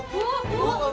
kenapa ibu pak